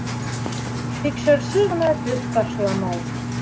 Тик Шыршы ғына төҫ ташламай.